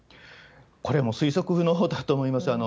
これはもう、推測不能だと思います。